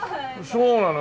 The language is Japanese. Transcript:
そうなの。